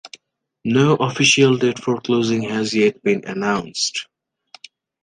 No official date for closing has yet been announced.